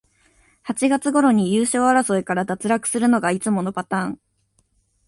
八月ごろに優勝争いから脱落するのがいつものパターン